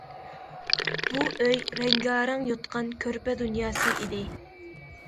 بۇ ئۆي رەڭگارەڭ يوتقان- كۆرپە دۇنياسى ئىدى.